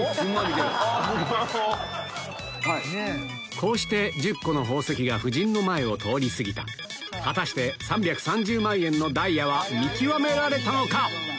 こうして１０個の宝石が夫人の前を通り過ぎた果たして３３０万円のダイヤは見極められたのか？